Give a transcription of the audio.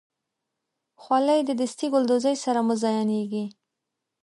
خولۍ د دستي ګلدوزۍ سره مزینېږي.